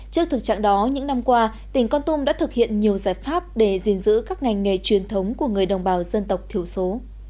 trước thực trạng đó những năm qua tỉnh con tum đã thực hiện nhiều giải pháp để giữ các ngành nghề truyền thống của người đồng bào dân tộc thiểu số